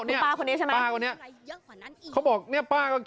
นี่ป้ากคนนี้ใช่ไหม